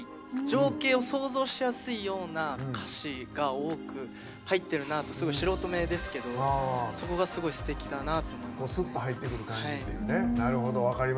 情景を想像しやすいような歌詞が多く入っているなと素人目ですけどそこがすごい、すてきだなと思います。